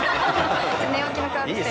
寝起きの顔でしたよね。